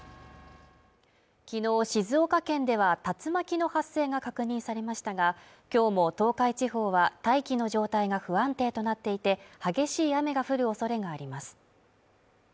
昨日静岡県では竜巻の発生が確認されましたが今日も東海地方は大気の状態が不安定となっていて激しい雨が降るおそれがあります